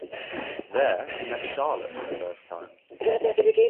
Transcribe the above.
There, he met Charlotte for the first time.